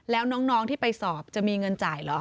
แล้วน้องที่ไปสอบจะมีเงินจ่ายเหรอ